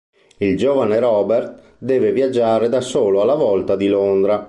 Il giovane Robert deve viaggiare da solo alla volta di Londra.